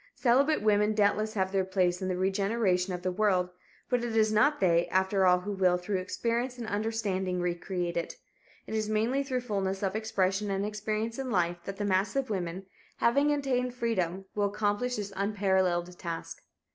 Celibate women doubtless have their place in the regeneration of the world, but it is not they, after all, who will, through experience and understanding recreate it. It is mainly through fullness of expression and experience in life that the mass of women, having attained freedom, will accomplish this unparalleled task.